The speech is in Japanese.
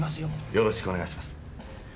よろしくお願いします。